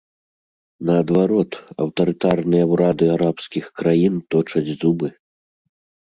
Наадварот, аўтарытарныя ўрады арабскіх краін точаць зубы.